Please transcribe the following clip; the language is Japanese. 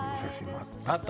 あった？